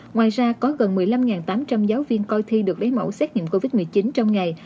ngoài ra có gần một mươi năm tám trăm linh giáo viên coi thi được lấy mẫu xét nghiệm covid một mươi chín trong ngày